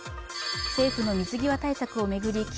政府の水際対策を巡り